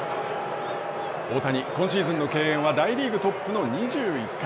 大谷、今シーズンの敬遠は大リーグトップの２１回。